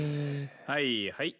はいはい。